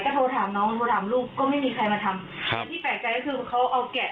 ก็โทรถามน้องโทรถามลูกก็ไม่มีใครมาทำครับ